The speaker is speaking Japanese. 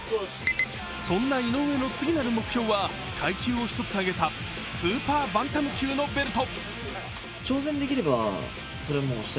そんな井上の次なる目標は階級を１つ上げたスーパーバンタム級のベルト。